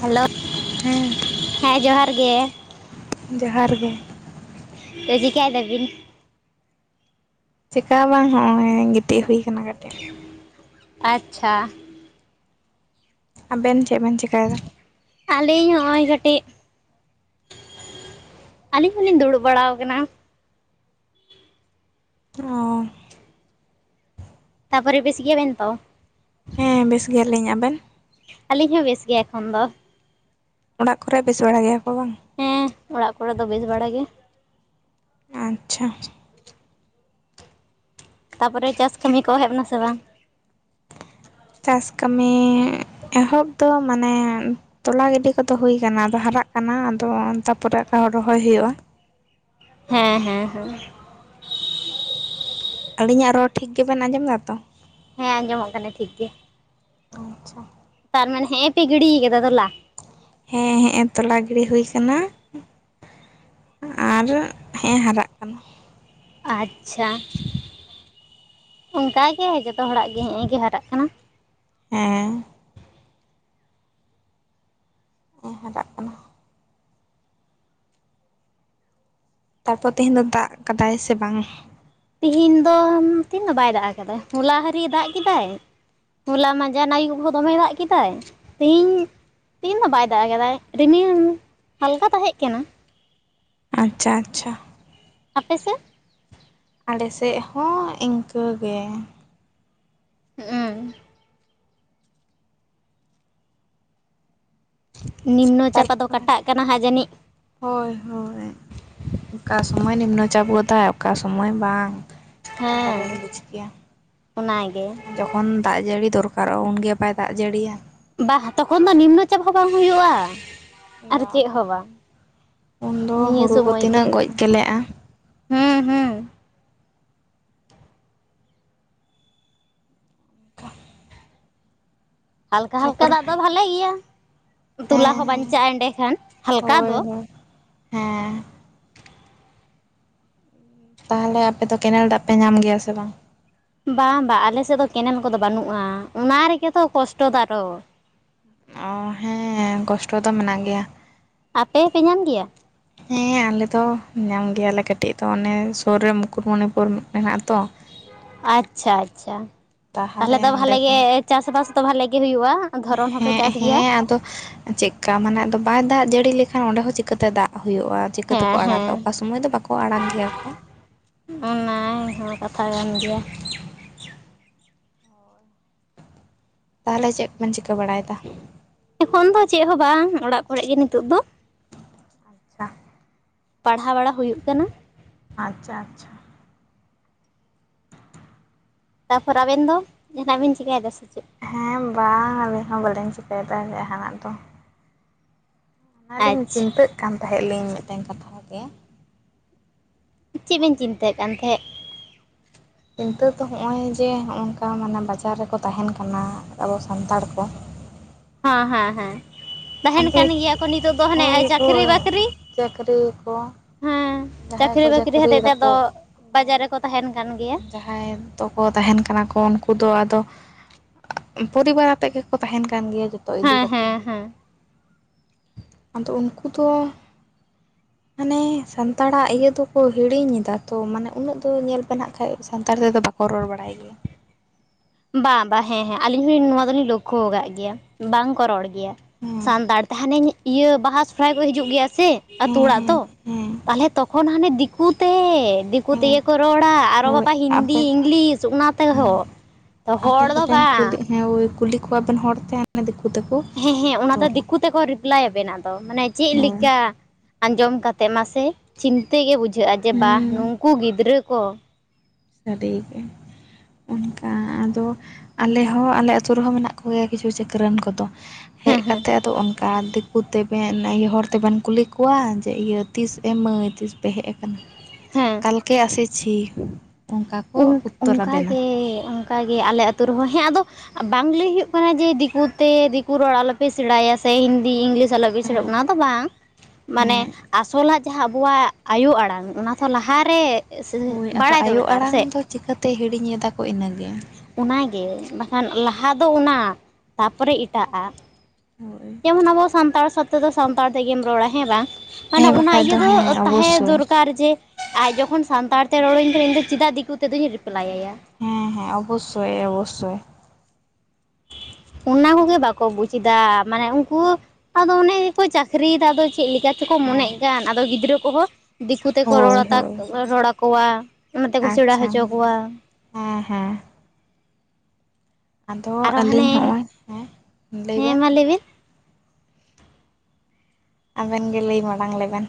Hello ᱦᱮᱸ ᱦᱮᱸ, ᱡᱚᱦᱟᱨ ᱜᱮ᱾ ᱡᱚᱦᱟᱨ ᱜᱮ᱾ ᱪᱮᱫ ᱪᱮᱠᱟᱭ ᱫᱟᱵᱤᱱ? ᱪᱮᱠᱟ ᱵᱟᱝ ᱦᱚᱸᱜᱼᱚᱭ ᱜᱤᱛᱤᱡ ᱦᱩᱭ ᱟᱠᱟᱱᱟ ᱠᱟᱹᱴᱤᱡ᱾ ᱟᱪᱪᱷᱟ᱾ ᱟᱵᱮᱱ ᱪᱮᱫ ᱵᱮᱱ ᱪᱮᱠᱟᱭᱮᱫᱟ? ᱟᱞᱤᱧ ᱦᱚᱸᱜᱼᱚᱭ ᱠᱟᱹᱴᱤᱡ, ᱟᱹᱞᱤᱧ ᱦᱚᱞᱤᱧ ᱫᱩᱲᱩᱵ ᱵᱟᱲᱟ ᱟᱠᱟᱱᱟ᱾ ᱚ ᱛᱟᱯᱚᱨᱮ ᱵᱮᱥ ᱜᱮᱭᱟ ᱵᱮᱱ ᱛᱚ? ᱦᱮᱸ ᱵᱮᱥ ᱜᱮᱭᱟᱞᱤᱧ᱾ ᱟᱵᱮᱱ ᱟᱹᱞᱤᱧ ᱦᱚᱸ ᱵᱮᱥ ᱜᱮ ᱮᱠᱷᱚᱱ ᱫᱚ᱾ ᱚᱲᱟᱜ ᱠᱚᱨᱮ ᱵᱮᱥ ᱵᱟᱲᱟ ᱜᱮᱭᱟ ᱠᱚ ᱵᱟᱝ ᱾ ᱦᱮᱸ, ᱚᱲᱟᱜ ᱠᱚᱨᱮ ᱫᱚ ᱵᱮᱥ ᱵᱟᱲᱟ ᱜᱮ᱾ ᱟᱪᱪᱷᱟ᱾ ᱛᱟᱯᱚᱨᱮ ᱪᱟᱥ ᱠᱟᱹᱢᱤ ᱠᱚ ᱮᱦᱚᱵᱱᱟ ᱥᱮ ᱵᱟᱝ? ᱪᱟᱥ ᱠᱟᱹᱢᱤ ᱮᱦᱚᱵ ᱫᱚ ᱢᱟᱱᱮ ᱛᱚᱞᱟ ᱜᱤᱰᱤ ᱠᱚᱫᱚ ᱦᱩᱭ ᱠᱟᱱᱟ᱾ ᱟᱫᱚ ᱦᱟᱨᱟᱜ ᱠᱟᱱᱟ, ᱟᱫᱚ ᱛᱟᱯᱚᱨᱮ ᱚᱠᱟ ᱦᱩᱰᱩ ᱨᱚᱦᱚᱭ ᱦᱩᱭᱩᱜᱼᱟ᱾ ᱦᱮᱸ, ᱦᱮᱸ, ᱦᱮᱸ᱾ ᱟᱹᱞᱤᱧᱟᱜ ᱨᱚᱲ ᱴᱷᱤᱠ ᱜᱮᱵᱮᱱ ᱟᱸᱡᱚᱢ ᱮᱫᱟᱛᱚ? ᱦᱮᱸ ᱟᱸᱡᱚᱢᱚᱜ ᱠᱟᱱᱟ ᱴᱷᱤᱠ ᱜᱮ᱾ ᱟᱪᱪᱷᱟ ᱛᱟᱨ ᱢᱟᱱᱮ ᱦᱮᱸ ᱯᱮ ᱜᱤᱰᱤ ᱠᱟᱫᱟ ᱛᱚᱞᱟ᱾ ᱦᱮᱸ ᱦᱮᱸ ᱛᱚᱞᱟ ᱜᱤᱲᱤ ᱦᱩᱭ ᱟᱠᱟᱱᱟ᱾ ᱟᱨ ᱦᱮᱸ ᱦᱟᱨᱟᱜ ᱠᱟᱱᱟ᱾ ᱟᱪᱪᱷᱟ᱾ ᱚᱱᱠᱟ ᱜᱮ ᱡᱚᱛᱚ ᱦᱚᱲᱟᱜ ᱜᱮ ᱦᱮᱸ ᱮ ᱜᱮ ᱦᱟᱨᱟᱜ ᱠᱟᱱᱟ᱾ ᱦᱮᱸ᱾ ᱮᱸ ᱦᱟᱨᱟᱜ ᱠᱟᱱᱟ᱾ ᱛᱟᱨᱯᱚᱨ ᱛᱤᱦᱤᱧ ᱫᱚ ᱫᱟᱜ ᱠᱟᱫᱟᱭ ᱥᱮ ᱵᱟᱝ? ᱛᱤᱦᱤᱧ ᱫᱚ ᱛᱤᱦᱤᱱ ᱫᱚ ᱵᱟᱭ ᱫᱟᱜ ᱟᱠᱟᱫᱟ ᱦᱚᱞᱟ ᱦᱟᱹᱨᱤ ᱫᱟᱜ ᱠᱮᱫᱟᱭ᱾ ᱦᱚᱞᱟ ᱢᱟᱸᱡᱟᱱ ᱟᱹᱭᱩ ᱦᱚᱸ ᱫᱚᱢᱮ ᱫᱟᱜ ᱠᱮᱫᱟᱭ ᱛᱤᱦᱤᱧ ᱛᱤᱦᱤᱱ ᱦᱚᱸ ᱵᱟᱭ ᱫᱟᱜ ᱠᱟᱫᱟᱭ ᱨᱤᱢᱤᱞ ᱦᱟᱞᱠᱟ ᱛᱟᱦᱮᱸ ᱠᱟᱱᱟ᱾ ᱟᱪᱪᱷᱟ ᱟᱪᱪᱷᱟ᱾ ᱟᱯᱮ ᱥᱮᱫ ᱟᱞᱮᱥᱮᱫ ᱦᱚᱸ ᱤᱱᱠᱟᱹᱜᱮ ᱦᱮᱸ ᱮᱸ ᱱᱤᱢᱱᱚ ᱪᱟᱯᱟᱛ ᱫᱚ ᱛᱟᱨᱯᱚᱨᱮ ᱠᱟᱴᱟᱜ ᱠᱟᱱᱟ ᱦᱟᱸᱜ ᱡᱟᱹᱱᱤᱡ ᱦᱳᱭ ᱦᱳᱭ ᱚᱠᱟ ᱥᱚᱢᱚᱭ ᱱᱤᱢᱱᱚ ᱪᱟᱯᱟᱛ ᱛᱟᱦᱮᱸᱜ ᱚᱠᱟ ᱥᱚᱢᱚᱭ ᱵᱟᱝ ᱚᱸᱦᱚᱸ ᱦᱮᱸ ᱵᱮᱱ ᱵᱩᱡᱽ ᱠᱮᱭᱟ ᱚᱱᱟᱜᱮ ᱡᱚᱠᱷ ᱠᱷᱚᱱ ᱫᱟᱜ ᱡᱟᱹᱲᱤ ᱫᱚᱨᱠᱟᱨᱚᱜ-ᱟ ᱩᱱᱜᱮ ᱵᱟᱭ ᱫᱟᱜ ᱡᱟᱹᱲᱤᱭᱟ᱾ ᱵᱟᱦ ᱦᱟᱛᱚ ᱠᱷᱚᱱ ᱫᱚ ᱱᱤᱢᱱᱚ ᱪᱟᱯ ᱦᱚᱸ ᱵᱟᱝ ᱦᱩᱭᱩᱜ-ᱟ? ᱟᱨ ᱪᱮᱫ ᱦᱚᱸ ᱵᱟᱵᱟ ᱵᱟᱝ ᱩᱱᱫᱚ ᱱᱤᱭᱟᱹ ᱦᱩᱲᱩ ᱠᱚ ᱥᱚᱢᱚᱭ ᱜᱮ ᱛᱤᱱᱟᱹᱜ ᱜᱚᱡ ᱜᱮᱞᱮᱜᱼᱟ ᱦᱩᱸ ᱦᱩᱸ [inaudible] ᱦᱟᱞᱠᱟ ᱦᱟᱞᱠᱟ ᱛᱟᱯᱚᱨᱮ ᱫᱟᱜ ᱫᱚ ᱦᱮᱸ ᱵᱷᱟᱞᱮ ᱜᱮᱭᱟ ᱛᱩᱞᱟ ᱦᱚᱸ ᱦᱮᱸ ᱵᱟᱧᱪᱟᱜ-ᱟ ᱮᱸᱰᱮᱠᱷᱟᱱ ᱦᱟᱞᱠᱟ ᱦᱳᱭ ᱫᱚ᱾ ᱦᱳᱭ ᱦᱮᱸ ᱛᱟᱦᱚᱞᱮ ᱟᱯᱮ ᱫᱚ ᱠᱮᱱᱮᱞ ᱫᱟᱜ ᱯᱮ ᱧᱟᱢ ᱜᱮᱭᱟ ᱥᱮ ᱵᱟᱝ ᱵᱟᱝ ᱵᱟᱝ ᱟᱞᱮᱥᱮᱫ ᱫᱚ ᱠᱮᱱᱮᱞ ᱠᱚᱫᱚ ᱵᱟᱹᱱᱩᱜ-ᱟ ᱚᱱᱟ ᱨᱮᱜᱮ ᱛᱚ ᱠᱚᱥᱴᱚ ᱫᱚ ᱟᱨᱦᱚᱸ ᱚ ᱦᱮᱸ ᱠᱚᱥᱴᱚ ᱫᱚ ᱢᱮᱱᱟᱜ ᱜᱮᱭᱟ᱾ ᱟᱯᱮ ᱯᱮ ᱧᱟᱢ ᱜᱮᱭᱟ᱾ [inaudible] ᱦᱮᱸ ᱟᱞᱮ ᱫᱚ ᱧᱟᱢ ᱜᱮᱭᱟᱞᱮ ᱠᱟᱹᱴᱤᱡ ᱫᱚ ᱚᱱᱮ ᱥᱩᱨ ᱨᱮ ᱢᱩᱠᱩᱴᱢᱩᱱᱤᱯᱩᱨ ᱦᱮᱱᱟᱜ-ᱟ ᱛᱚ᱾ ᱟᱪᱪᱷᱟ ᱟᱪᱪᱷᱟ ᱛᱟᱦᱚᱞᱮ ᱛᱟᱦᱞᱮ ᱫᱚ ᱚᱸᱰᱮ ᱵᱷᱟᱞᱮ ᱜᱮ ᱠᱷᱚᱱ ᱪᱟᱥ-ᱵᱟᱥ ᱫᱚ ᱵᱷᱟᱞᱮ ᱜᱮ ᱦᱩᱭᱩᱜ-ᱟ᱾ ᱦᱮᱸ ᱦᱮᱸ ᱟᱫᱚ ᱪᱮᱫ? ᱠᱟ ᱢᱟᱱᱮ ᱟᱫᱚ ᱵᱟᱭ ᱫᱟᱜ ᱡᱟᱹᱲᱤ ᱞᱮᱠᱷᱟᱱ ᱚᱸᱰᱮ ᱦᱚᱸ ᱪᱤᱠᱟᱹᱛᱮ ᱫᱟᱜ ᱦᱩᱭᱩᱜ-ᱟ᱾ ᱪᱤᱠᱟᱹ ᱛᱮᱠᱚ ᱦᱮᱸ ᱟᱲᱟᱜᱟ ᱦᱮᱸ ᱚᱠᱟ ᱥᱚᱢᱚᱭ ᱫᱚ ᱵᱟᱠᱚ ᱟᱲᱟᱜ ᱜᱮᱭᱟᱠᱚ᱾ ᱚᱱᱟ ᱦᱚᱸ ᱠᱟᱛᱷᱟ ᱠᱟᱱ ᱜᱮᱭᱟ᱾ ᱛᱟᱦᱚᱞᱮ ᱪᱮᱫ ᱠᱚ ᱵᱮᱱ ᱪᱤᱠᱟᱹ ᱵᱟᱲᱟᱭᱫᱟ? ᱮᱠᱷᱚᱱ ᱫᱚ ᱪᱮᱫ ᱦᱚᱸ ᱵᱟᱝ ᱚᱲᱟᱜ ᱠᱚᱨᱮ ᱜᱮ ᱱᱤᱛᱚᱜ ᱫᱚ᱾ ᱟᱪᱪᱷᱟ᱾ ᱯᱟᱲᱦᱟᱣ ᱵᱟᱲᱟ ᱦᱩᱭᱩᱜ ᱠᱟᱱᱟ᱾ ᱟᱪᱪᱷᱟ ᱟᱪᱪᱷᱟ᱾ ᱛᱟᱯᱚᱨ ᱟᱵᱮᱱ ᱫᱚ ᱡᱟᱦᱟᱸᱱᱟᱜ ᱵᱮᱱ ᱪᱤᱠᱟᱭᱫᱟ ᱥᱮ ᱪᱮᱫ? ᱦᱮᱸ ᱵᱟᱝ ᱟᱹᱞᱤᱧ ᱦᱚᱸ ᱵᱟᱹᱞᱤᱧ ᱪᱤᱠᱟᱹᱭᱫᱟ ᱡᱟᱦᱟᱸᱱᱟᱜ ᱫᱚ᱾ ᱟᱹᱞᱤᱧ ᱟᱪᱪᱷᱟ ᱪᱤᱱᱛᱟᱹᱜ ᱠᱟᱱ ᱛᱟᱦᱮᱸᱫ ᱞᱤᱧ ᱢᱤᱫᱴᱮᱱ ᱠᱟᱛᱷᱟ ᱜᱮ? ᱪᱮᱫ ᱵᱤᱱ ᱪᱤᱱᱛᱟᱹᱜ ᱠᱟᱱ ᱛᱟᱦᱮᱸᱫ? ᱪᱤᱱᱛᱟᱹ ᱫᱚ ᱦᱚᱜ-ᱚᱭ ᱡᱮ ᱦᱚᱜ ᱚᱝᱠᱟ ᱢᱟᱱᱮ ᱵᱟᱡᱟᱨ ᱨᱮᱠᱚ ᱛᱟᱦᱮᱱ ᱠᱟᱱᱟ ᱟᱵᱚ ᱥᱟᱱᱛᱟᱲ ᱠᱚ᱾ ᱦᱟᱸ ᱦᱮᱸ ᱦᱮᱸ ᱛᱟᱦᱮᱱ ᱟᱫᱚ ᱠᱟᱱ ᱜᱮᱭᱟ ᱠᱚ ᱱᱤᱛᱳᱜ ᱫᱚ ᱦᱟᱱᱮ ᱦᱳᱭ ᱟᱭ ᱪᱟᱹᱠᱨᱤ ᱦᱳᱭ ᱵᱟᱹᱠᱨᱤ ᱪᱟᱹᱠᱨᱤ ᱠᱚ ᱦᱮᱸ ᱡᱟᱦᱟᱸᱭ ᱠᱚ ᱪᱟᱹᱠᱨᱤ ᱵᱟᱹᱠᱨᱤ ᱪᱟᱹᱠᱨᱤᱭ ᱦᱚᱛᱮᱫ ᱛᱮ ᱟᱫᱚ ᱫᱟᱠᱚ ᱵᱟᱡᱟᱨ ᱦᱳᱭ ᱨᱮᱠᱚ ᱛᱟᱦᱮᱱ ᱠᱟᱱ ᱜᱮᱭᱟ᱾ ᱡᱟᱦᱟᱸᱭ ᱫᱚᱠᱚ ᱛᱟᱦᱮᱱ ᱠᱟᱱᱟ ᱠᱚ ᱩᱱᱠᱩ ᱫᱚ ᱟᱫᱚ ᱯᱚᱨᱤᱵᱟᱨ ᱟᱛᱮ ᱜᱮᱠᱚ ᱛᱟᱦᱮᱱ ᱠᱟᱱ ᱜᱮᱭᱟ ᱡᱚᱛᱚ ᱤᱫᱤ ᱦᱮᱸ ᱠᱟᱛᱮ᱾ ᱦᱮᱸ ᱦᱮᱸ ᱟᱫᱚ ᱩᱱᱠᱩ ᱫᱚ ᱢᱟᱱᱮ ᱥᱟᱱᱛᱟᱲᱟᱜ ᱤᱭᱟᱹ ᱫᱚᱠᱚ ᱦᱤᱲᱤᱧ ᱮᱫᱟ ᱛᱚ ᱢᱟᱱᱮ ᱩᱱᱟᱹᱜ ᱫᱚ ᱧᱮᱞ ᱯᱮᱱᱟᱦᱟᱜ ᱠᱷᱟᱡ ᱥᱟᱱᱛᱟᱲ ᱛᱮᱫᱚ ᱵᱟᱠ ᱠᱚ ᱨᱚᱲ ᱵᱟᱲᱟᱭ ᱜᱮᱭᱟ ᱾ ᱵᱟᱝ ᱵᱟᱝ ᱦᱮᱸ ᱦᱮᱸ ᱟᱞᱤᱧ ᱦᱚᱸᱧ ᱱᱚᱣᱟ ᱫᱚᱞᱤᱧ ᱞᱳᱠᱷᱚ ᱟᱠᱟᱫ ᱜᱮᱭᱟ ᱵᱟᱝ ᱠᱚ ᱨᱚᱲ ᱜᱮ ᱜᱮᱭᱟ, ᱦᱮᱸ ᱥᱟᱱᱛᱟᱲ ᱛᱮ ᱦᱟᱱᱮ ᱤᱭᱟᱹ ᱵᱟᱦᱟ ᱥᱚᱦᱨᱟᱭ ᱠᱚ ᱦᱤᱡᱩᱜ ᱜᱮᱭᱟ ᱥᱮ ᱟᱛᱩ ᱦᱮᱸ ᱚᱲᱟᱜ ᱫᱚ ᱦᱮᱸ ᱦᱮᱸ ᱛᱟᱦᱚᱞᱮ ᱛᱚᱠᱷᱚᱱ ᱦᱟᱱᱮ ᱫᱤᱠᱩᱛᱮ ᱫᱤᱠ ᱫᱤᱠᱩ ᱦᱮᱸ ᱛᱮᱜᱮ ᱠᱚ ᱨᱚᱲᱟ ᱟᱨᱚ ᱦᱳᱭ ᱵᱟᱵᱟ ᱦᱤᱱᱫᱤ ᱟᱯᱮ ᱤᱝᱞᱤᱥ ᱚᱱᱟ ᱛᱮᱦᱚᱸ ᱛᱚ ᱦᱚᱲ ᱟᱵᱮᱱ ᱫᱚ ᱫᱚᱵᱮᱱ ᱠᱩᱞᱤ ᱵᱟᱝ ᱦᱮᱸ ᱠᱩᱞᱤ ᱠᱚᱣᱟᱵᱮᱱ ᱦᱚᱲᱛᱮ ᱦᱟᱱᱮ ᱫᱤᱠᱩ ᱛᱮᱠᱚ ᱦᱮᱸ ᱦᱮᱸ ᱚᱱᱟᱛᱮ ᱨᱚᱲᱟ ᱫᱤᱠᱩ ᱛᱮᱠᱚ ᱨᱤᱯᱞᱟᱭ ᱟᱵᱮᱱᱟ ᱟᱫᱚ ᱢᱟᱱᱮ ᱪᱮᱫ ᱦᱳᱭ ᱞᱮᱠᱟ ᱟᱸᱡᱚᱢ ᱠᱟᱛᱮᱫ ᱢᱟᱥᱮ ᱪᱤᱱᱛᱟᱹ ᱜᱮ ᱵᱩᱡᱷᱟᱹᱜ-ᱟ ᱡᱮ ᱵᱟᱦ ᱦᱩᱸ ᱱᱩᱝᱠᱩ ᱜᱤᱫᱽᱨᱟᱹ ᱠᱚ ᱥᱟᱹᱨᱤᱜᱮ ᱚᱱᱠᱟ ᱟᱫᱚ ᱟᱞᱮ ᱦᱚᱸ ᱟᱞᱮ ᱟᱹᱛᱩ ᱨᱮᱦᱚᱸ ᱢᱮᱱᱟᱜ ᱠᱚ ᱜᱮᱭᱟ ᱠᱤᱪᱷᱩ ᱪᱟᱹᱠᱨᱟᱹᱱ ᱠᱚᱫᱚ ᱦᱮᱡ ᱦᱮᱸ ᱦᱮᱸ ᱠᱟᱛᱮᱫ ᱟᱫᱚ ᱚᱱ ᱠᱟ ᱫᱤᱠᱩ ᱛᱮᱵᱮᱱ ᱤᱭᱟᱹ ᱦᱚᱲ ᱛᱮᱵᱮᱱ ᱠᱩᱞᱤ ᱠᱚᱣᱟ ᱡᱮ ᱤᱭᱟᱹ ᱛᱤᱥ ᱮᱢᱟᱹᱭ ᱛᱤᱥ ᱯᱮ ᱦᱮᱡ ᱟᱠᱟᱱᱟ? ᱦᱮᱸ ᱠᱟᱞᱠᱮ ᱟᱥᱮᱪᱷᱤ ᱚᱱᱠᱟ ᱠᱚ ᱩᱛᱛᱚᱨ ᱟᱵᱮᱱᱟ ᱚᱱᱠᱟᱜᱮ ᱚᱱᱠᱟᱜᱮ ᱟᱞᱮ ᱟᱹᱛᱳ ᱨᱮᱦᱚᱸ, ᱦᱮᱸ ᱟᱫᱚ ᱵᱟᱝ ᱞᱟᱹᱭ ᱦᱩᱭᱩᱜ ᱠᱟᱱᱟ ᱡᱮ ᱫᱤᱠᱩᱛᱮ ᱫᱤᱠᱩ ᱨᱚᱲ ᱟᱞᱚᱯᱮ ᱥᱮᱬᱟᱭᱟ ᱥᱮ ᱦᱤᱱᱫᱤ ᱤᱝᱞᱤᱥ [unintelligible] ᱦᱮᱸ ᱚᱱᱟ ᱫᱚ ᱵᱟᱝ ᱢᱟᱱᱮ ᱟᱥᱚᱞᱟᱜ ᱡᱟᱦᱟᱸ ᱟᱵᱚᱣᱟᱜ ᱟᱭᱳ ᱟᱲᱟᱝ ᱚᱱᱟ ᱛᱚ ᱞᱟᱦᱟᱨᱮ ᱦᱳᱭ ᱟᱫᱚ ᱵᱟᱲᱟᱭ ᱟᱭᱳ ᱫᱟᱨᱠᱟᱨ ᱟᱲᱟᱝ ᱫᱚ ᱪᱤᱠᱟᱹᱛᱮ ᱦᱤᱲᱤᱧ ᱮᱫᱟ ᱠᱚ ᱤᱱᱟᱹᱜᱮ, ᱚᱱᱟᱜᱮ ᱵᱟᱠᱷᱟᱱ ᱞᱟᱦᱟ ᱫᱚ ᱚᱱᱟ ᱛᱟᱯᱚᱨᱮ ᱮᱴᱟᱜᱼᱟᱜ ᱾ ᱦᱳᱭ ᱡᱮᱢᱚᱱ ᱟᱵᱚ ᱥᱟᱱᱛᱟᱲ ᱥᱟᱛᱮ ᱫᱚ ᱥᱟᱱᱛᱟᱲ ᱛᱮᱜᱮᱢ ᱨᱚᱲᱟ ᱦᱮᱸ ᱵᱟᱝ ᱢᱟᱱᱮ ᱦᱮᱸ ᱚᱱᱟ ᱵᱟᱠᱷᱟᱡ ᱤᱭᱟᱹ ᱫᱚ ᱦᱮᱸ ᱛᱟᱦᱮᱸ ᱚᱵᱚᱥᱥᱳᱭ ᱫᱚᱨᱠᱟᱨ ᱾ ᱠᱟᱨ ᱡᱮ ᱟᱡ ᱡᱚᱠᱷᱚᱱ ᱥᱟᱱᱛᱟᱲᱛᱮ ᱨᱚᱲᱟᱹᱧ ᱠᱟᱱᱟ ᱤᱧ ᱫᱚ ᱪᱮᱫᱟᱜ ᱫᱤᱠᱩ ᱛᱮᱫᱚᱧ ᱨᱤᱯᱞᱟᱭᱭᱟ ᱾ ᱦᱮᱸ ᱦᱮᱸ ᱚᱵᱚᱥᱥᱚᱭ ᱚᱵᱚᱥᱥᱚᱭ ᱾ ᱚᱱᱟ ᱠᱚᱜᱮ ᱵᱟᱠᱚ ᱵᱩᱡ ᱮᱫᱟ ᱢᱟᱱᱮ ᱩᱱᱠᱩ ᱟᱫᱚ ᱚᱱᱮ ᱜᱮᱠᱚ ᱪᱟᱹᱠᱨᱤᱭᱮᱫᱟ ᱟᱫᱚ ᱪᱮᱫ ᱞᱮᱠᱟ ᱛᱮᱠᱚ ᱦᱮᱸ ᱢᱚᱱᱮᱜ ᱠᱟᱱ ᱟᱫᱚ ᱜᱤᱫᱽᱨᱟᱹ ᱠᱚᱦᱚᱸ ᱫᱤᱠᱩ ᱛᱮᱠᱚ ᱨᱚᱲ ᱦᱳᱭ ᱦᱳᱭ ᱨᱚᱲ ᱟᱠᱚᱣᱟ ᱾ ᱟᱪᱪᱷᱟ ᱦᱮᱸ ᱦᱮᱸ ᱾ ᱟᱫᱚ ᱟᱨᱚ ᱟᱹᱞᱤᱧ ᱦᱟᱱᱮ ᱦᱚᱜᱼᱚᱭ ᱦᱮᱸ ᱞᱟᱹᱭ ᱦᱮᱸ ᱵᱮᱱ ᱢᱟ ᱵᱤᱱ ᱟᱵᱮᱱ ᱜᱮ ᱞᱟᱹᱭ ᱢᱟᱲᱟᱝ ᱞᱮᱵᱮᱱ,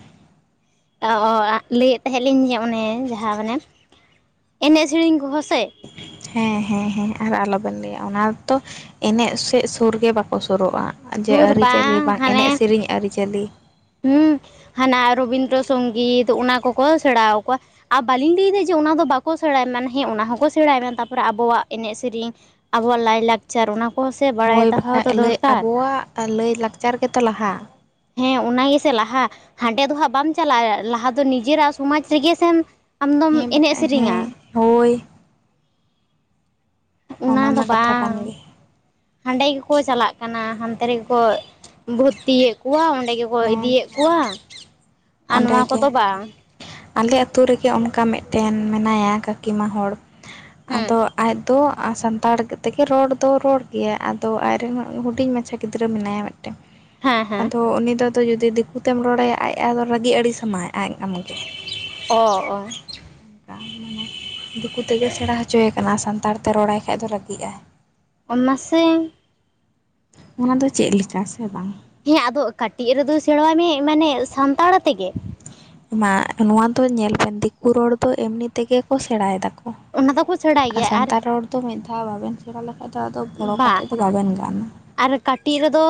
ᱚ ᱚ ᱞᱟᱹᱭᱮᱫ ᱛᱟᱦᱮᱸᱫ ᱞᱤᱧ ᱡᱮ ᱚᱱᱮ ᱡᱟᱦᱟᱸ ᱢᱟᱱᱮ ᱮᱱᱮᱡ ᱥᱮᱨᱮᱧ ᱠᱚᱦᱚᱸ ᱥᱮ ᱦᱮᱸ ᱦᱮᱸ ᱦᱮᱸ ᱟᱨ ᱟᱞᱚᱵᱮᱱ ᱞᱟᱹᱭᱟ ᱚᱱᱟ ᱛᱚ ᱮᱱᱮᱜ ᱥᱮᱜ ᱥᱩᱨ ᱜᱮ ᱵᱟᱠᱚ ᱥᱳᱨᱳᱜᱼᱟ ᱡᱮ ᱥᱩᱨ ᱟᱹᱨᱤᱪᱟᱹᱞᱤ ᱵᱟᱝ ᱦᱟᱱᱮ ᱮᱱᱮᱡ ᱥᱮᱨᱮᱧ ᱟᱹᱨᱤᱪᱟᱹᱞᱤ ᱦᱩᱸ ᱦᱟᱱᱟ ᱨᱚᱵᱤᱱᱫᱨᱚ ᱥᱚᱝᱜᱤᱛ ᱚᱱᱟ ᱠᱚᱠᱚ ᱥᱮᱬᱟᱣ ᱟᱠᱚᱣᱟ ᱾ ᱟ ᱵᱟᱹᱞᱤᱧ ᱞᱟᱹᱭᱫᱟ ᱡᱮ ᱚᱱᱟ ᱫᱚ ᱵᱟᱠᱚ ᱥᱮᱬᱟᱭ ᱢᱟᱱᱮ ᱦᱮᱸ ᱚᱱᱟ ᱦᱚᱸᱠᱚ ᱥᱮᱬᱟᱭ ᱢᱟ ᱛᱟᱨᱯᱚᱨᱮ ᱟᱵᱚᱣᱟᱜ ᱮᱱᱮᱡ ᱤᱮᱨᱤᱧ ᱟᱵᱚᱣᱟᱜ ᱞᱟᱭᱞᱟᱠᱪᱟᱨ ᱚᱱᱟ ᱠᱚᱦᱚᱸ ᱥᱮ ᱵᱟᱲᱟᱭ ᱫᱚᱦᱚ ᱫᱚ ᱫᱚᱨᱠᱟᱨ ᱾ ᱟᱨ ᱞᱟᱹᱭ ᱞᱟᱠᱪᱟᱨ ᱜᱮᱛᱚ ᱞᱟᱦᱟ ᱾ ᱦᱮᱸ ᱚᱱᱟ ᱜᱮᱥᱮ ᱞᱟᱦᱟ ᱦᱟᱸᱰᱮ ᱫᱚ ᱦᱟᱸᱜ ᱵᱟᱢ ᱪᱟᱞᱟᱜᱼᱟ ᱞᱟᱦᱟ ᱫᱚ ᱱᱤᱡᱮᱨᱟᱜ ᱥᱚᱢᱟᱡᱽ ᱨᱮᱜᱮ ᱥᱮᱢ ᱟᱢᱫᱚᱢ ᱦᱮᱸ ᱮᱱᱮᱡ ᱵᱟᱠᱷᱟᱡ ᱥᱮᱨᱮᱧᱟ ᱦᱮᱸ ᱾ ᱦᱳᱭ ᱚᱱᱟ ᱫᱚ ᱢᱟ ᱠᱟᱛᱷᱟ ᱠᱟᱱ ᱵᱟᱝ ᱾ ᱜᱮ ᱦᱟᱸᱰᱮ ᱜᱮᱠᱚ ᱪᱟᱞᱟᱜ ᱠᱟᱱᱟ ᱦᱟᱰᱮᱸ ᱜᱮᱠᱚ ᱪᱟᱞᱟᱜ ᱠᱟᱱᱟ ᱦᱟᱱᱛᱮ ᱨᱮᱜᱮ ᱠᱚ ᱵᱷᱩᱛᱤᱭᱮᱫ ᱠᱚᱣᱟ ᱚᱸᱰᱮ ᱜᱮ ᱠᱚ ᱦᱮᱸ ᱤᱫᱤᱭᱮᱫ ᱦᱮᱸ ᱠᱚᱣᱟ ᱟᱨ ᱚᱸᱰᱮ ᱱᱚᱣᱟ ᱜᱮ ᱠᱚᱫᱚ ᱵᱟᱝ ᱾ ᱟᱞᱮ ᱟᱹᱛᱩ ᱨᱮᱜᱮ ᱚᱱᱠᱟ ᱢᱮᱫᱴᱮᱱ ᱢᱮᱱᱟᱭᱟ ᱠᱟᱹᱠᱤᱢᱟ ᱦᱚᱲ, ᱦᱮᱸ ᱟᱫᱚ ᱟᱡ ᱫᱚ ᱥᱟᱱᱛᱟᱲ ᱛᱮᱜᱮ ᱨᱚᱲ ᱫᱚ ᱨᱚᱲ ᱜᱮᱭᱟᱭ ᱟᱫᱚ ᱟᱡᱨᱮᱱ ᱦᱩᱰᱤᱧ ᱢᱟᱪᱷᱟ ᱜᱤᱫᱽᱨᱟᱹ ᱢᱮᱱᱟᱭᱟ ᱦᱮᱸ [unintelligible] ᱦᱮᱸ ᱟᱫᱚ ᱩᱱᱤ ᱫᱚ ᱫᱚ ᱡᱩᱫᱤ ᱫᱤᱠᱩ ᱛᱮᱢ ᱨᱚᱲ ᱟᱭᱟ ᱟᱡ ᱟᱫᱚ ᱨᱟᱹᱜᱤ ᱟᱲᱤᱥ ᱟᱢᱟᱭ ᱟᱡ ᱟᱢ ᱜᱮ ᱾ ᱚ ᱚ, ᱚᱸᱠᱟ ᱢᱟᱱᱮ ᱫᱤᱠᱩ ᱛᱮᱜᱮ ᱥᱮᱬᱟ ᱦᱚᱪᱚᱭᱮ ᱠᱟᱱᱟ ᱥᱟᱱᱛᱟᱲ ᱛᱮ ᱨᱚᱲ ᱟᱭ ᱠᱷᱟᱡ ᱫᱚ ᱨᱟᱹᱜᱤ ᱟᱭ᱾ ᱚᱱᱟ ᱥᱮᱸ, ᱚᱱᱟ ᱫᱚ ᱪᱮᱜ ᱞᱮᱠᱟ ᱥᱮ ᱵᱟᱝ? ᱦᱮᱸ ᱟᱫᱚᱜ ᱠᱟᱹᱴᱤᱡ ᱨᱮᱫᱚ ᱥᱮᱬᱶᱟᱭ ᱢᱮ ᱢᱟᱱᱮᱜ ᱥᱟᱱᱛᱟᱲ ᱛᱮᱜᱮ᱾ ᱢᱟᱜ ᱱᱚᱣᱟ ᱫᱚ ᱧᱮᱞ ᱵᱮᱱ ᱫᱤᱠᱩ ᱨᱚᱲ ᱫᱚ ᱮᱢᱱᱤ ᱛᱮᱜᱮ ᱠᱚ ᱥᱮᱬᱟ ᱭᱮᱫᱟ ᱠᱚ᱾ ᱚᱱᱟ ᱫᱚᱠᱚ ᱪᱮ- ᱟᱨ ᱥᱟᱱᱛᱟᱲ ᱨᱚᱲ ᱫᱚ ᱢᱮᱫ ᱫᱷᱟᱣ ᱵᱟᱵᱮᱱ ᱥᱮᱬᱟ ᱞᱮᱠᱷᱟᱡ ᱫᱚ, ᱟᱫᱚ ᱵᱷᱚᱲᱚ ᱵᱟ ᱠᱟᱛᱮᱜ ᱫᱚ ᱵᱟᱵᱮᱱ ᱜᱟᱱᱼᱟ᱾ ᱟᱨ ᱠᱟᱴᱤᱜ ᱨᱮᱫᱚ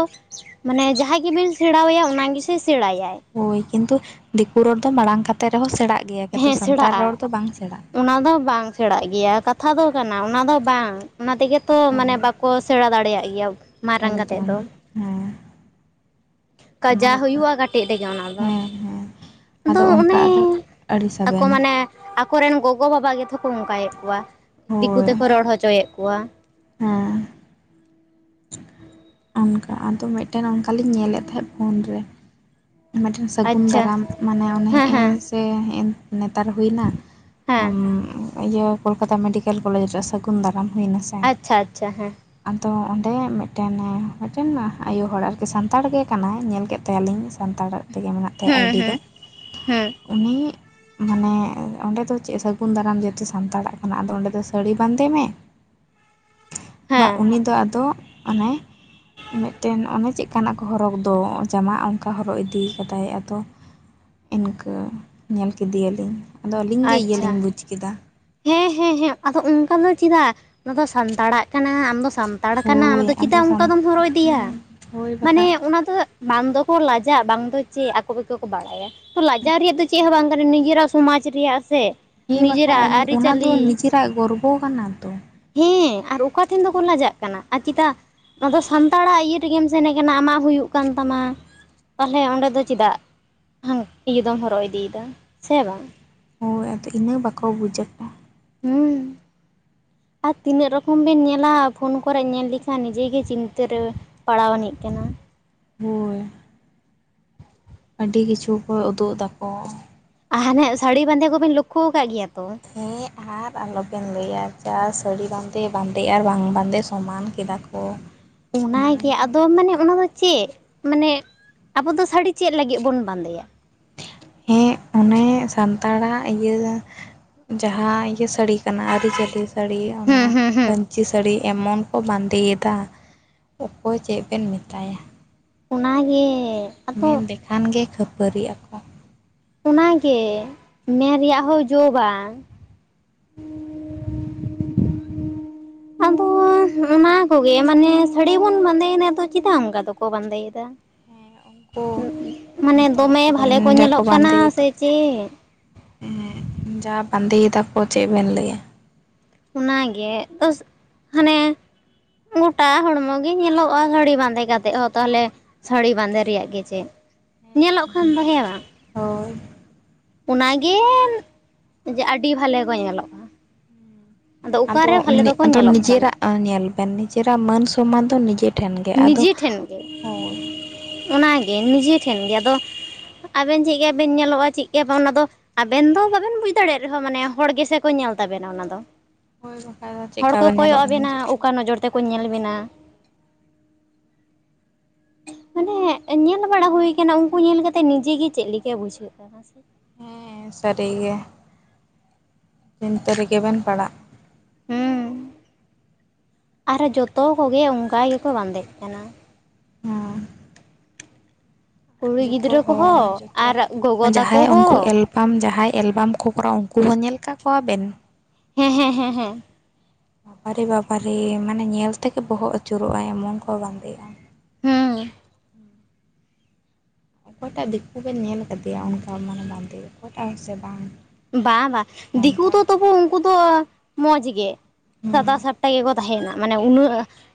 ᱢᱟᱱᱮ ᱡᱟᱦᱟᱸᱭ ᱜᱮᱵᱤᱱ ᱥᱮᱬᱟᱣ ᱟᱭᱟ, ᱚᱱᱟ ᱜᱮᱥᱮ ᱥᱮᱬᱟᱭᱟᱭ᱾ ᱦᱳᱭ ᱠᱤᱸᱛᱩ ᱫᱤᱠᱩ ᱨᱚᱲ ᱫᱚ ᱢᱟᱲᱟᱝ ᱠᱟᱛᱮ ᱨᱮᱦᱚᱸ ᱥᱮᱬᱟᱜ ᱜᱮᱭᱟ, ᱠᱤᱸᱛᱩ ᱦᱮᱸ ᱥᱟᱱᱛᱟᱲ ᱥᱮᱬᱟᱜᱼᱟ ᱨᱚᱲ ᱫᱚ ᱵᱟᱝ ᱥᱮᱬᱟᱜᱼᱟ᱾ ᱚᱱᱟ ᱫᱚ ᱦᱟᱸᱜ ᱵᱟᱝ ᱥᱮᱬᱟᱜ ᱜᱮᱭᱟ, ᱠᱟᱛᱷᱟ ᱫᱚ ᱠᱟᱱᱟ, ᱚᱱᱟ ᱫᱚ ᱵᱟᱝ ᱚᱱᱟ ᱛᱮᱜᱮ ᱛᱚ ᱢᱟᱱᱮ ᱦᱳᱭ ᱵᱟᱠᱚ ᱥᱮᱬᱟ ᱫᱟᱲᱮᱭᱟᱜ ᱜᱮᱭᱟᱵ ᱢᱟᱨᱟᱝ ᱠᱟᱛᱮᱫ ᱫᱚ᱾ ᱮᱠᱫᱚᱢ ᱦᱮᱸ, ᱚᱱᱟ ᱡᱟ ᱵᱟᱠᱚ, ᱦᱩᱭᱩᱜᱼᱟ ᱠᱟᱹᱴᱤᱡ ᱨᱮᱜᱮ ᱚᱱᱟ ᱫᱚ ᱦᱮᱸ ᱦᱮᱸ᱾ ᱟᱫᱚ ᱚᱱᱠᱟ ᱟᱫᱚᱜ, ᱟᱹᱰᱤ ᱥᱟᱵᱮ ᱟᱠᱚ ᱟᱱᱟᱭ᱾ ᱢᱟᱱᱮ ᱟᱠᱚᱨᱮᱱ ᱜᱚᱜᱚ ᱵᱟᱵᱟ ᱜᱮᱛᱷᱚᱦᱚ ᱠᱚ ᱚᱸᱠᱟᱭᱮᱫ ᱠᱚᱣᱟ, ᱫᱤᱠᱩ ᱦᱳᱭ ᱛᱮᱠᱚ ᱨᱚᱲ ᱦᱚᱪᱚᱭᱮᱜ ᱠᱚᱣᱟ, ᱦᱮᱸ, ᱚᱱᱠᱟ ᱟᱫᱚ ᱢᱮᱫᱴᱟᱹᱱ ᱚᱱᱠᱟ ᱞᱤᱧ ᱧᱮᱻᱞᱮᱫ ᱛᱟᱦᱮᱸᱜ ᱯᱷᱳᱱ ᱨᱮ᱾ ᱢᱤᱫᱴᱟᱹᱱ ᱥᱟᱹᱜᱩᱱ ᱟᱪᱪᱷᱟ ᱫᱟᱨᱟᱢ ᱢᱟᱱᱮ ᱚᱱᱮ ᱦᱮᱸ ᱦᱮᱸ ᱦᱮᱸᱜᱼᱮ ᱥᱮ, ᱦᱮᱸᱜᱼᱮ᱾ ᱱᱮᱛᱟᱨ ᱦᱩᱭ ᱮᱱᱟ, ᱦᱮᱸ ᱟᱢ ᱚ ᱤᱭᱟᱹ ᱠᱳᱞᱠᱟᱛᱟ ᱢᱮᱰᱤᱠᱮᱞ ᱠᱚᱞᱮᱡᱽ ᱨᱮ ᱥᱟᱹᱜᱩᱱ ᱫᱟᱨᱟᱢ ᱦᱩᱭ ᱮᱱᱟ ᱥᱮ, ᱟᱪᱪᱷᱟ ᱟᱪᱪᱷᱟ ᱦᱮᱸ, ᱟᱫᱚ ᱚᱸᱰᱮ ᱢᱤᱫᱴᱟᱹᱱ ᱢᱤᱫᱴᱟᱹᱱ ᱟᱭᱳ ᱦᱚᱲ ᱟᱨᱠᱤ ᱥᱟᱱᱛᱟᱲ ᱜᱮ ᱠᱟᱱᱟᱭ, ᱧᱮᱞ ᱠᱮᱫ ᱛᱟᱭᱟ ᱞᱤᱧ ᱥᱟᱱᱛᱟᱲᱟᱜ ᱛᱮᱜᱮ ᱢᱮᱱᱟᱜ ᱛᱟᱭᱟ ᱦᱮᱸ ᱟᱭᱰᱤ ᱫᱚ, ᱦᱮᱸ ᱦᱮᱸ ᱩᱱᱤ ᱢᱟᱱᱮ ᱚᱸᱰᱮ ᱫᱚ ᱪᱮᱜ ᱥᱟᱹᱜᱩᱱ ᱫᱟᱨᱟᱢ ᱡᱮᱛᱮ ᱥᱟᱱᱛᱟᱲᱟᱜ ᱠᱟᱱᱟ, ᱟᱫᱚ ᱚᱸᱰᱮ ᱫᱚ ᱥᱟᱹᱲᱤ ᱵᱟᱸᱫᱮ ᱢᱮ, ᱵᱟ ᱦᱮᱸ ᱩᱱᱤ ᱫᱚ ᱟᱫᱚᱜ ᱚᱱᱮ ᱢᱤᱫᱴᱟᱹᱱ ᱚᱱᱮ ᱪᱮᱫ ᱠᱟᱱᱟᱜ ᱠᱚ ᱦᱚᱨᱚᱜᱽ ᱫᱚ, ᱚᱸ ᱡᱟᱢᱟᱜ ᱠᱟ ᱦᱚᱨᱚᱜ ᱤᱫᱤ ᱟᱠᱟᱫᱟᱭ, ᱟᱫᱚ ᱤᱱᱠᱟᱹ ᱧᱮᱞ ᱠᱮᱫᱮᱭᱟᱹᱞᱤᱧ᱾ ᱟᱫᱚ ᱟᱹᱞᱤᱧ ᱜᱮ ᱤᱭᱟᱹᱞᱤᱧ ᱟᱪᱪᱷᱟ ᱵᱩᱡᱽ ᱠᱮᱫᱟ᱾ ᱦᱮᱸ ᱦᱮᱸ ᱦᱮᱸ, ᱟᱫᱚ ᱚᱸᱠᱟ ᱫᱚ ᱪᱮᱫᱟᱜ? ᱚᱱᱟ ᱫᱚ ᱥᱟᱱᱛᱟᱲᱟᱜ ᱠᱟᱱᱟ, ᱟᱢ ᱫᱚ ᱥᱟᱱ- ᱛᱟᱲ ᱠᱟᱱᱟᱢ, ᱦᱳᱭ ᱟᱫᱚ ᱪᱮᱫᱟᱜ ᱚᱸᱠᱟ ᱥᱟᱱ ᱫᱚᱢ ᱦᱚᱨᱚᱜ ᱤᱫᱤᱭᱟ, ᱦᱮᱸ ᱦᱳᱭ ᱢᱟᱱᱮ ᱵᱟᱠᱷᱟᱡ ᱚᱱᱟ ᱫᱚ ᱢᱟᱱ ᱫᱚᱠᱚ ᱞᱟᱡᱟᱜ ᱵᱟᱝ ᱫᱚ ᱪᱮᱜ, ᱟᱠᱚ ᱜᱮᱠᱚ ᱠᱚ ᱵᱟᱲᱟᱭᱟ, ᱞᱟᱡᱟᱣ ᱨᱮᱭᱟᱜ ᱫᱚ ᱪᱮᱜ ᱦᱚᱸ ᱵᱟᱝ ᱠᱟᱱᱟ, ᱱᱤᱡᱮᱨᱟᱜ ᱩᱢᱟᱡᱽ ᱨᱮᱭᱟᱜ ᱥᱮ ᱦᱮᱸ ᱵᱟᱠᱷᱟᱡ ᱱᱤᱡᱮᱨᱟᱜ ᱟᱫᱚ, ᱚᱱᱟ ᱫᱚ ᱟᱹᱨᱤᱪᱟᱹᱞᱤ ᱱᱤᱡᱟᱹᱨᱟᱜ ᱜᱚᱨᱵᱚ ᱠᱟᱱᱟ ᱛᱚ᱾ ᱦᱮᱸ ᱟᱨ ᱚᱠᱟ ᱴᱷᱮᱱ ᱫᱚᱠᱚ ᱞᱟᱡᱟᱜ ᱠᱟᱱᱟ ᱟᱨ ᱪᱮᱫᱟᱜ? ᱟᱫᱚ ᱥᱟᱱᱛᱟᱲᱟᱜ ᱤᱭᱟᱹ ᱨᱮᱜᱮᱢ ᱥᱮᱱ ᱟᱠᱟᱱᱟ, ᱟᱢᱟᱜ ᱦᱩᱭᱩᱜ ᱠᱟᱱ ᱛᱟᱢᱟ, ᱛᱟᱞᱦᱮ ᱚᱸᱰᱮ ᱫᱚ ᱪᱮᱫᱟᱜ [unintelligible] ᱤᱭᱟᱹ ᱫᱚᱢ ᱦᱚᱨᱚᱜ ᱤᱫᱤᱭᱮᱫᱟ, ᱥᱮ ᱵᱟᱝ? ᱦᱳᱸᱭ ᱟᱫᱚ ᱤᱱᱟᱹ ᱵᱟᱠᱚ ᱵᱩᱡ ᱟᱠᱚ᱾ ᱦᱩᱸ [inaudible] ᱟᱨ ᱛᱤᱱᱟᱹᱜ ᱨᱚᱠᱚᱢ ᱵᱮᱱ ᱧᱮᱞᱟ ᱟ ᱯᱷᱳᱱ ᱠᱚᱨᱮᱜ ᱧᱮᱞ ᱞᱮᱠᱷᱟᱱ ᱱᱤᱡᱟᱹ ᱜᱮ ᱪᱤᱝᱛᱟᱹ ᱨᱮ ᱯᱟᱲᱟᱣ ᱟᱹᱱᱤᱡ ᱠᱟᱱᱟ᱾ ᱦᱳᱭ᱾ ᱟᱹᱰᱤ ᱠᱤᱪᱷᱩ ᱠᱚ ᱩᱫᱩᱜ ᱮᱫᱟ ᱠᱚ᱾ ᱟ ᱦᱟ ᱦᱟᱱᱮᱜ ᱥᱟᱹᱲᱤ ᱵᱟᱸᱫᱮ ᱠᱚᱵᱮᱱ ᱞᱚᱠᱠᱷᱚ ᱟᱠᱟᱜ ᱜᱮᱭᱟ ᱛᱚ? ᱦᱮᱸ ᱟᱨ ᱟᱞᱚᱵᱮᱱ ᱞᱟᱹᱭᱟ ᱡᱟ ᱥᱟᱹᱲᱤ ᱵᱟᱸᱫᱮ ᱵᱟᱸᱫᱮ ᱟᱨ ᱵᱟᱝ ᱵᱟᱸᱫᱮ ᱥᱚᱢᱟᱱ ᱠᱮᱫᱟ ᱠᱚ ᱠᱚ ᱢᱟᱱᱮ ᱚᱱᱟᱜᱮ ᱟᱫᱚ ᱢᱟᱱᱮ ᱚᱱᱟ ᱫᱚ ᱪᱮᱫ ᱢᱟᱱᱮ ᱟᱵᱚ ᱫᱚ ᱥᱟᱹᱲᱤ ᱪᱮᱫ ᱞᱟᱹᱜᱤᱫ ᱵᱚᱱ ᱵᱟᱸᱫᱮᱭᱟ ᱦᱮᱸ ᱚᱱᱮ ᱥᱟᱱᱛᱟᱲᱟᱜ ᱤᱭᱟᱹ ᱡᱟᱦᱟᱸ ᱤᱭᱟᱹ ᱥᱟᱹᱲᱤ ᱠᱟᱱᱟ ᱟᱹᱨᱤ ᱤᱪᱟᱹᱞᱤ ᱥᱟᱹᱲᱤ ᱦᱩᱸ ᱚᱱᱟᱧ ᱦᱩᱸ ᱦᱩᱸ ᱯᱟᱹᱧᱪᱤ ᱥᱟᱹᱲᱤ ᱮᱢᱚᱱ ᱠᱚ ᱵᱟᱸᱫᱮᱭᱮᱫᱟ ᱚᱠᱚᱭ ᱪᱮᱫ ᱵᱮᱱ ᱢᱮᱛᱟᱭᱟ ᱚᱱᱟᱜᱮ ᱟᱫᱚ ᱢᱮᱱ ᱞᱮᱠᱷᱟᱱ ᱜᱮ ᱠᱷᱟᱹᱯᱟᱹᱨᱤᱜ ᱟᱠᱚ ᱚᱱᱟᱜᱮ ᱢᱮᱱ ᱨᱮᱭᱟᱜ ᱦᱚᱸ ᱡᱳ ᱵᱟᱝ ᱟᱫᱚ ᱚᱱᱟ ᱠᱚᱜᱮ ᱢᱟᱱᱮ ᱥᱟᱹᱲᱤ ᱵᱚᱱ ᱵᱟᱸᱫᱮᱭᱮᱱᱟ ᱫᱚ ᱪᱮᱫᱟᱜ ᱚᱱᱠᱟ ᱫᱚᱠᱚ ᱵᱟᱸᱫᱮᱭᱮᱫᱟ ᱦᱮᱸ ᱩᱱᱠᱩ ᱢᱟᱱᱮ ᱱᱮᱛᱟᱨ ᱫᱚᱢᱮ ᱵᱷᱟᱞᱮ ᱠᱚᱨᱮᱱ ᱠᱚ ᱡᱟᱠᱚ ᱧᱮᱞᱚᱜ ᱠᱟᱱᱟ ᱥᱮ ᱪᱮᱫ ᱦᱩᱸ ᱡᱟ ᱵᱟᱸᱫᱮᱭ ᱫᱟᱠᱚ ᱪᱮᱫ ᱵᱮᱱ ᱞᱟᱹᱭᱟ ᱚᱱᱟᱜᱮ ᱦᱟᱱᱮ ᱜᱚᱴᱟ ᱦᱚᱲᱢᱚ ᱜᱮ ᱧᱮᱞᱚᱜᱼᱟ ᱥᱟᱹᱲᱤ ᱵᱟᱸᱫᱮ ᱠᱟᱛᱮᱜ ᱦᱚᱸ ᱛᱟᱦᱚᱞᱮ ᱥᱟᱹᱲᱤ ᱵᱟᱸᱫᱮ ᱨᱮᱭᱟᱜ ᱜᱮ ᱪᱮᱫ ᱦᱮᱸ ᱧᱮᱞᱚᱜ ᱠᱷᱟᱱ ᱫᱚ ᱦᱮᱸ ᱵᱟᱝ ᱦᱳᱭ ᱚᱱᱟᱜᱮ ᱡᱮ ᱟᱹᱰᱤ ᱵᱷᱟᱞᱮ ᱠᱚ ᱧᱮᱞᱚᱜᱼᱟ ᱟᱫᱚ ᱚᱠᱟᱨᱮ ᱵᱷᱟᱞᱮ ᱫᱚᱠᱚ ᱟᱫᱚ ᱧᱮᱞᱚᱜ ᱠᱟᱱᱟ ᱱᱤᱡᱮᱨᱟᱜ ᱧᱮᱞ ᱵᱮᱱ ᱱᱤᱡᱮᱨᱟᱜ ᱢᱟᱹᱱ ᱥᱚᱢᱟᱱ ᱫᱚ ᱱᱤᱡᱮ ᱴᱷᱮᱱ ᱜᱮ ᱟᱫᱚ ᱱᱤᱡᱮ ᱴᱷᱮᱱ ᱜᱮ ᱦᱳᱭ ᱚᱱᱟᱜᱮ ᱱᱤᱡᱮ ᱴᱷᱮᱱ ᱜᱮ ᱟᱫᱚ ᱟᱵᱮᱱ ᱪᱮᱫ ᱠᱟ ᱵᱮᱱ ᱧᱮᱞᱚᱜᱼᱟ ᱪᱮᱫ ᱠᱟ ᱵᱟᱝ ᱟᱫᱚ ᱟᱵᱮᱱ ᱫᱚ ᱵᱟᱵᱮᱱ ᱵᱩᱡᱽ ᱫᱟᱲᱮᱭᱟᱜ ᱨᱮᱦᱚᱸ ᱢᱟᱱᱮ ᱦᱚᱲ ᱜᱮᱥᱮ ᱠᱚ ᱧᱮᱞ ᱛᱟᱵᱮᱱᱟ ᱚᱱᱟ ᱫᱚ ᱦᱳᱭ ᱵᱟᱠᱷᱟᱡ ᱫᱚ ᱦᱚᱲ ᱪᱮᱫᱠᱟ ᱠᱚ ᱵᱮᱱ ᱠᱚᱭᱚᱜ ᱧᱮᱞᱚᱜ ᱠᱟᱱᱟ ᱟᱵᱤᱱᱟ ᱪᱮᱫ ᱚᱠᱟ ᱱᱚᱡᱚᱨ ᱛᱮᱠᱚ ᱧᱮᱞ ᱵᱤᱱᱟ ᱢᱟᱱᱮ ᱧᱮᱞ ᱵᱟᱲᱟ ᱦᱩᱭ ᱠᱟᱱᱟ ᱩᱱᱠᱩ ᱧᱮᱞ ᱠᱟᱛᱮᱜ ᱱᱤᱡᱮ ᱜᱮ ᱪᱮᱜ ᱞᱮᱠᱟ ᱵᱩᱡᱷᱟᱹᱜᱼᱟ ᱦᱮᱸ ᱥᱟᱹᱨᱤ ᱜᱮ ᱪᱤᱱᱛᱟᱹ ᱨᱮᱜᱮ ᱵᱮᱱ ᱯᱟᱲᱟᱜᱼᱟ ᱦᱩᱸ ᱟᱨᱚ ᱡᱚᱛᱚ ᱠᱚᱜᱮ ᱚᱝᱠᱟ ᱜᱮᱠᱚ ᱵᱟᱸᱫᱮᱜ ᱠᱟᱱᱟ ᱦᱩᱸ ᱠᱩᱲᱤ ᱡᱚᱛᱚ ᱜᱤᱫᱽᱨᱟᱹ ᱦᱚᱲ ᱠᱚᱦᱚᱸ ᱡᱚᱛᱚ ᱟᱨ ᱜᱚᱜᱚ ᱛᱟᱠᱚ ᱡᱟᱦᱟᱸᱭ ᱩᱱᱠᱩ ᱦᱚᱸ ᱮᱞ ᱟᱢ ᱡᱟᱦᱟᱸᱭ ᱮᱞᱵᱟᱢ ᱠᱚ ᱠᱚᱨᱟᱣ ᱩᱱᱠᱩ ᱦᱚᱸ ᱧᱮᱞ ᱠᱟᱜ ᱠᱚᱣᱟ ᱵᱮᱱ ᱦᱮᱸ ᱦᱮᱸ ᱦᱮᱸ ᱦᱮᱸ ᱟᱨᱮ ᱵᱟᱵᱟᱨᱮ ᱢᱟᱱᱮ ᱧᱮᱞ ᱛᱮᱜᱮ ᱵᱚᱦᱚᱜ ᱟᱹᱪᱩᱨᱚᱜᱼᱟ ᱮᱢᱚᱱ ᱠᱚ ᱵᱟᱸᱫᱮᱜᱼᱟ ᱦᱩᱸ ᱚᱠᱚᱭᱴᱟᱜ ᱫᱤᱠᱩ ᱵᱮᱱ ᱧᱮᱞ ᱠᱟᱫᱮᱭᱟ ᱚᱱᱠᱟ ᱢᱟᱱᱮ ᱵᱟᱸᱫᱮᱜ ᱚᱠᱚᱭᱴᱟᱜ ᱦᱚᱸ ᱥᱮ ᱵᱟᱝ ᱵᱟ ᱵᱟ ᱫᱤᱠᱩ ᱥᱟᱱᱛᱟᱲ ᱫᱚ ᱛᱚᱵᱩ ᱩᱱᱠᱩ ᱫᱚ ᱢᱚᱸᱡᱽ ᱜᱮ ᱥᱟᱫᱟ ᱦᱩᱸ ᱥᱟᱯᱴᱟ ᱜᱮᱠᱚ ᱛᱟᱦᱮᱱᱟ ᱢᱟᱱᱮ ᱩᱱᱟᱹᱜ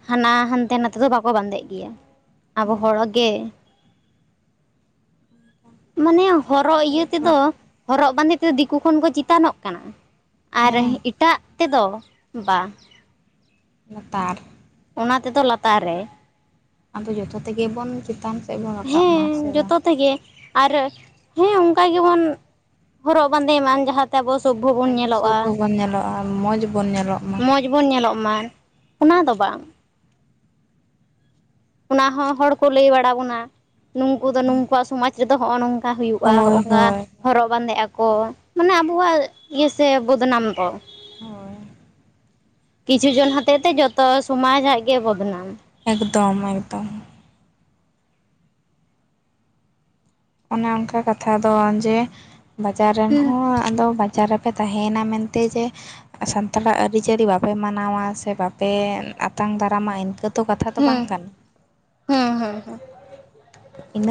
ᱦᱟᱱᱟ ᱦᱟᱱᱛᱮ ᱱᱟᱛᱮ ᱫᱚ ᱵᱟᱠᱚ ᱵᱟᱸᱫᱮᱜ ᱜᱮᱭᱟ ᱟᱵᱚ ᱦᱮᱸ ᱦᱚᱲ ᱜᱮ ᱢᱟᱱᱮ ᱦᱚᱨᱚᱜ ᱤᱭᱟᱹ ᱡᱟᱭᱦᱳᱠ ᱛᱮᱫᱚ ᱦᱚᱨᱚᱜ ᱵᱟᱸᱫᱮ ᱛᱮᱫᱚ ᱫᱤᱠᱩ ᱠᱷᱚᱱ ᱠᱚ ᱪᱮᱛᱟᱱᱚᱜ ᱠᱟᱱᱟ ᱟᱨ ᱦᱮᱸ ᱮᱴᱟᱜ ᱛᱮᱫᱚ ᱵᱟ ᱞᱟᱛᱟᱨ ᱚᱱᱟ ᱛᱮᱫᱚ ᱞᱟᱛᱟᱨ ᱨᱮ ᱟᱫᱚ ᱡᱚᱛᱚ ᱛᱮᱜᱮ ᱵᱚᱱ ᱪᱮᱛᱟᱱ ᱥᱮᱜ ᱵᱚᱱ ᱨᱟᱠᱟᱵ ᱢᱟ ᱥᱮ ᱦᱮᱸ ᱵᱟᱝ ᱡᱚᱛᱚ ᱛᱮᱜᱮ ᱟᱨ ᱦᱮᱸ ᱚᱱᱠᱟ ᱜᱮᱵᱚᱱ ᱦᱚᱨᱚᱜ ᱵᱟᱸᱫᱮᱭ ᱢᱟ ᱡᱟᱦᱟ ᱟᱵᱚ ᱥᱚᱵᱵᱷᱚ ᱵᱚᱱ ᱧᱮᱞᱚᱜᱼᱟ ᱾ ᱟᱨ ᱢᱚᱡᱽ ᱵᱚᱱ ᱧᱮᱞᱚᱜ ᱢᱟ ᱾ ᱡᱮᱵᱚᱱ ᱧᱮᱞᱚᱜ ᱢᱟ ᱚᱱᱟ ᱫᱚ ᱵᱟᱝ ᱾ ᱚᱱᱟ ᱦᱚᱸ ᱦᱚᱲ ᱠᱚ ᱞᱟᱹᱭ ᱵᱟᱲᱟ ᱵᱚᱱᱟ ᱱᱩᱝᱠᱩ ᱫᱚ ᱱᱩᱠᱩᱣᱟᱜ ᱥᱚᱢᱟᱡᱽ ᱨᱮᱫᱚ ᱦᱚᱜᱼᱚ ᱱᱚᱝ ᱠᱟ ᱦᱩᱭᱩᱜᱼᱟ ᱦᱳᱭ ᱦᱚᱜᱼᱚᱝᱠᱟ ᱦᱳᱭ ᱦᱚᱨᱚᱜ ᱵᱟᱸᱫᱮᱜ ᱟᱠᱚ ᱢᱟᱱᱮ ᱟᱵᱚᱣᱟᱜ ᱤᱭᱟᱹ ᱥᱮ ᱵᱚᱫᱱᱟᱢ ᱫᱚ ᱦᱳᱭ ᱠᱤᱪᱷᱩ ᱡᱚᱱ ᱦᱚᱛᱮᱡ ᱛᱮ ᱡᱚᱛᱚ ᱥᱚᱢᱟᱡᱽ ᱟᱜ ᱜᱮ ᱵᱚᱫᱽᱱᱟᱢ, ᱮᱠᱫᱚᱢ ᱮᱠᱫᱚᱢ ᱾ ᱚᱱᱮ ᱚᱱᱠᱟ ᱠᱟᱛᱷᱟ ᱫᱚ ᱡᱮ ᱵᱟᱡᱟᱨ ᱨᱮᱱ ᱦᱩᱸ ᱦᱚᱸ ᱟᱫᱚ ᱵᱟ ᱵᱟᱡᱟᱨ ᱨᱮᱯᱮ ᱛᱟᱦᱮᱭᱮᱱᱟ ᱢᱮᱱᱛᱮ ᱡᱮ ᱥᱟᱱᱛᱟᱲᱟᱜ ᱟᱹᱨᱤᱪᱟᱹᱞᱤ ᱵᱟᱯᱮ ᱢᱟᱱᱟᱣᱟ ᱥᱮ ᱵᱟᱯᱮ ᱟᱛᱟᱝ ᱫᱟᱨᱟᱢᱟ ᱤᱱᱠᱟᱹ ᱛᱚ ᱠᱟᱛᱷᱟ ᱫᱚ ᱦᱩᱸ ᱵᱟᱝ ᱠᱟᱱᱟ ᱾ ᱦᱩᱸ ᱦᱩᱸ ᱦᱩᱸ ᱤᱱᱟᱹ